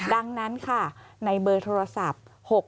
ดังนั้นค่ะในเบอร์โทรศัพท์